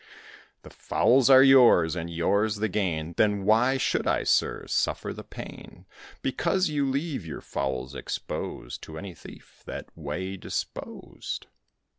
The fowls are yours, and yours the gain; Then why should I, sir, suffer pain, Because you leave your fowls exposed To any thief that way disposed?"